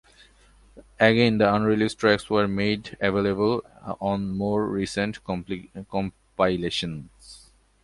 Again the unreleased tracks were made available on more recent compilations.